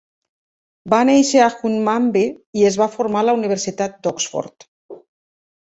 Va néixer a Hunmanby i es va formar a la Universitat d'Oxford.